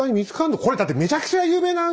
これだってめちゃくちゃ有名な戦いですよ？